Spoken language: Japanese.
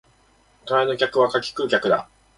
隣の客は柿食う客だ